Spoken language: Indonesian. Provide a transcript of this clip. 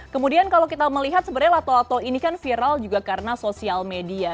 kemudian kalau kita melihat sebenarnya lato lato ini kan viral juga karena sosial media